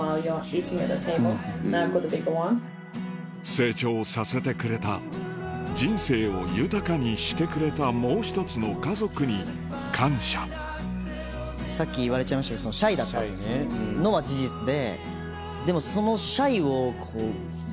成長させてくれた人生を豊かにしてくれたもう一つの家族に感謝さっき言われちゃいましたけどシャイだったのは事実で。